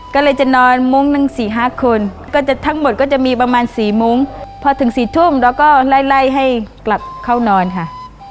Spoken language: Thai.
ก็เลยจะนอนมุ้งหนึ่งสี่ห้าคนก็จะทั้งหมดก็จะมีประมาณสี่มุ้งพอถึง๔ทุ่มเราก็ไล่ไล่ให้กลับเข้านอนค่ะ